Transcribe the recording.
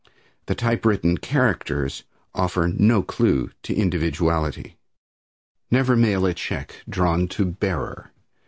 The typewritten characters offer no clue to individuality. Never mail a check drawn to "Bearer."